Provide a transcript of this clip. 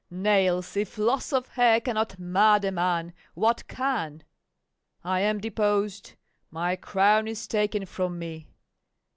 nails, if loss of hair cannot mad a man, what can? I am deposed, my crown is taken from me.